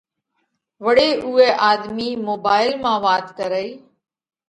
وۯي اُوئہ آۮمِي موبائيل مانه وات ڪرئِي